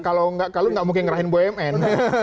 kalau nggak mungkin ngerahin bumn